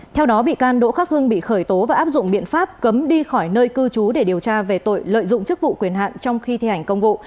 theo đó bị can đỗ khắc hưng bị khởi tố và áp dụng biện pháp cấm đi khỏi nơi cư trú để điều tra về tội lợi dụng chức vụ quyền hạn trong khi thi hành công vụ